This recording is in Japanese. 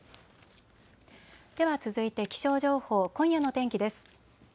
では続いて気象情報、今夜の天気です。